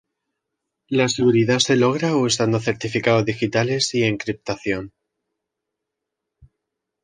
La seguridad se logra usando certificados digitales y encriptación.